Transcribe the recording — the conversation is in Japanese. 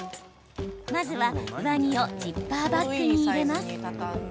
まずは、上着をジッパーバッグに入れます。